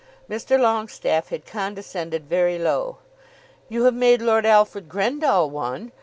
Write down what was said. Mr. Longestaffe had condescended very low. "You have made Lord Alfred Grendall one!"